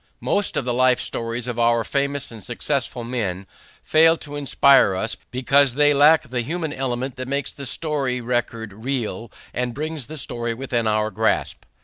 Most of the life stories of our famous and successful men fail to inspire because they lack the human element that makes the record real and brings the story within our grasp.